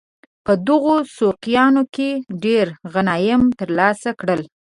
په دغو سوقیانو کې ډېر غنایم ترلاسه کړل.